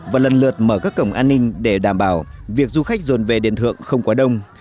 và lần lượt mở các cổng an ninh để đảm bảo việc du khách dồn về đền thượng không quá đông